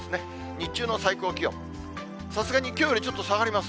日中の最高気温、さすがにきょうより下がります。